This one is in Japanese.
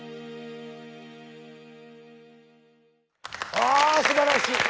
あすばらしい。